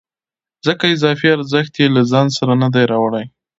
ځکه اضافي ارزښت یې له ځان سره نه دی راوړی